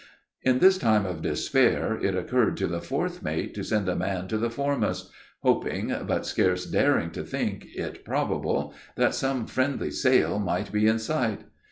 In this time of despair, it occurred to the fourth mate to send a man to the foremast, hoping, but scarce daring to think it probable, that some friendly sail might be in sight.